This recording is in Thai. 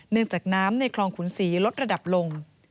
จากน้ำในคลองขุนศรีลดระดับลง